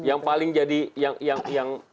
yang paling jadi yang